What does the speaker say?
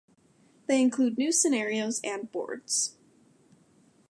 They include new scenarios and boards.